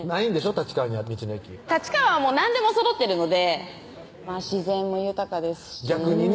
立川には道の駅立川は何でもそろってるので自然も豊かですし逆にね